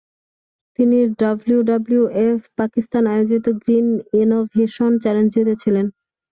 তিনি ডাব্লিউডাব্লিউএফ-পাকিস্তান আয়োজিত green innovation challenge জিতেছিলেন।